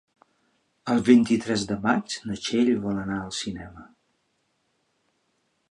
El vint-i-tres de maig na Txell vol anar al cinema.